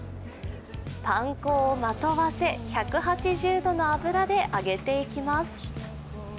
パン粉をまとわせ、１８０度の油で揚げていきます。